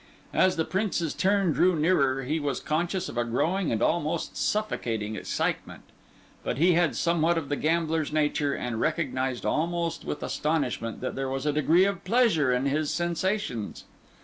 As the Prince's turn drew nearer, he was conscious of a growing and almost suffocating excitement; but he had somewhat of the gambler's nature, and recognised almost with astonishment, that there was a degree of pleasure in his sensations.